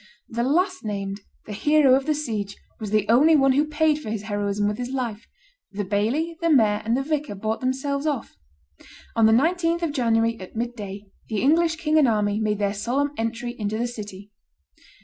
The last named, the hero of the siege, was the only one who paid for his heroism with his life; the baillie, the mayor, and the vicar bought themselves off. On the 19th of January, at midday, the English, king and army, made their solemn entry into the city.